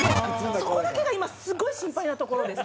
そこだけが今すごい心配なところです。